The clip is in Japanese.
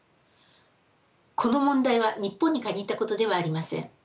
この問題は日本に限ったことではありません。